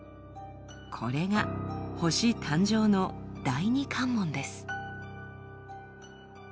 これが星誕生の第２関門です。